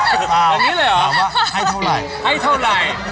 อันนี้เลยเหรอให้เท่าไหร่